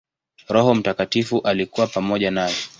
Roho Mtakatifu alikuwa pamoja naye.